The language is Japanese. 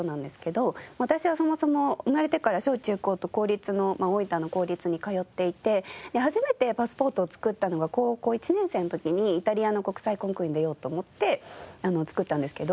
私はそもそも生まれてから小中高と大分の公立に通っていて初めてパスポートを作ったのが高校１年生の時にイタリアの国際コンクールに出ようと思って作ったんですけど。